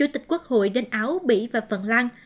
tịch quốc hội đến áo bỉ và phần lan